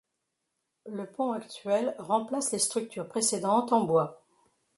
Le pont actuel remplace les structures précédentes en bois.